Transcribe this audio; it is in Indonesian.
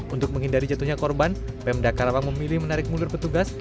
untuk menghindari jatuhnya korban pemda karawang memilih menarik mulut petugas